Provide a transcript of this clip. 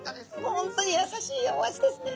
本当に優しいお味ですね。